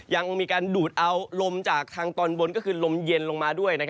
ยังมีการดูดเอาลมจากทางตอนบนก็คือลมเย็นลงมาด้วย